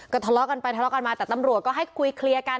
ทะเลาะกันไปทะเลาะกันมาแต่ตำรวจก็ให้คุยเคลียร์กัน